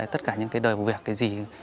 tất cả những cái đời vụ việc cái gì